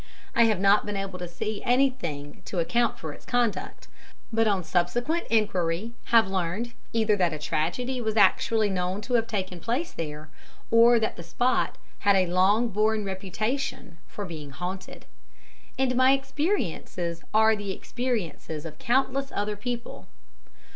I have not been able to see anything to account for its conduct, but on subsequent enquiry have learned, either that a tragedy was actually known to have taken place there, or that the spot had long borne a reputation for being haunted. And my experiences are the experiences of countless other people.